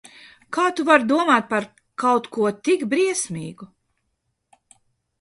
Kā tu vari domāt par kaut ko tik briesmīgu?